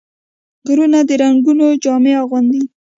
غرونه د رنګونو جامه اغوندي